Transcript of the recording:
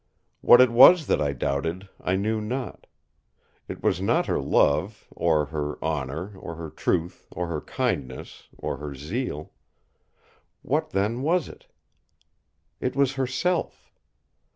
What it was that I doubted I knew not. It was not her love, or her honour, or her truth, or her kindness, or her zeal. What then was it? It was herself!